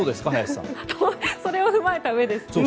それを踏まえたうえですか。